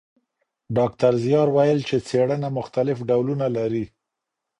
ډاکټر زیار ویل چي څېړنه مختلف ډولونه لري.